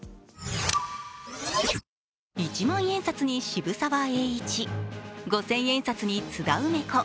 一万円札に渋沢栄一、五千円札に津田梅子